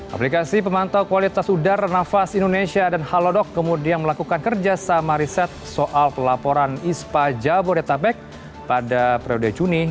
aplikasi pemantau kualitas udara nafas indonesia dan halodoc kemudian melakukan kerjasama riset soal pelaporan ispa jabodetabek pada periode juni